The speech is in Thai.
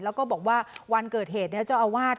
แล้วก็บอกว่าวันเกิดเหตุเจ้าอาวาส